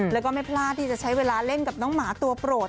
แล้วก็ไม่พลาดที่จะใช้เวลาเล่นกับน้องหมาตัวโปรด